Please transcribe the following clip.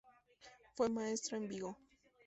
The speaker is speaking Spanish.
Fue maestro en Vigo.